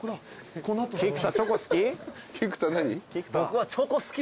菊田チョコ好き？